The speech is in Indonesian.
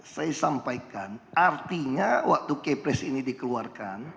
saya sampaikan artinya waktu kepres ini dikeluarkan